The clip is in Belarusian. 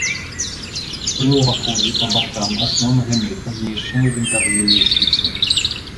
Пры ўваходзе па бакам асноўнага нефа змешчаны вінтавыя лесвіцы.